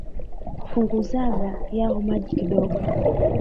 Punguzaga yao maji kidogo.